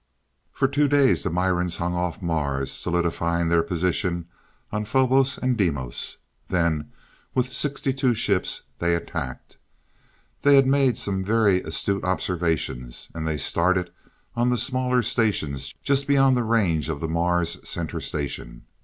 For two days the Mirans hung off Mars, solidifying their positions on Phobos and Deimos. Then, with sixty two ships, they attacked. They had made some very astute observations, and they started on the smaller stations just beyond the range of the Mars Center Station.